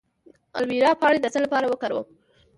د الوویرا پاڼې د څه لپاره وکاروم؟